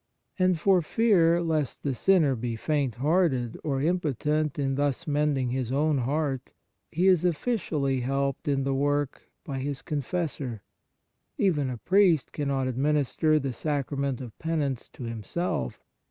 And for fear lest the sinner be faint hearted or impotent in thus mending his own heart, he is offici ally helped in the work by his confessor. Even a priest cannot administer the Sacrament of Penance to himself.